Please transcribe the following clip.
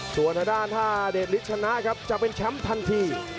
ส่วนทางด้านถ้าเดชฤทธชนะครับจะเป็นแชมป์ทันที